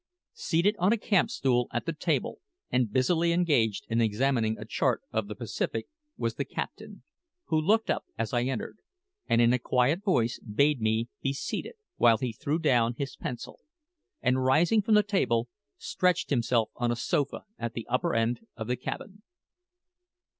Seated on a camp stool at the table, and busily engaged in examining a chart of the Pacific, was the captain, who looked up as I entered, and in a quiet voice bade me be seated, while he threw down his pencil, and rising from the table, stretched himself on a sofa at the upper end of the cabin.